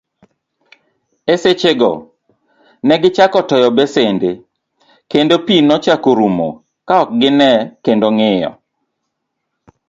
E sechego, negichako toyo besende kendo pii nochako rumo kaok gine kendo ng'iyo.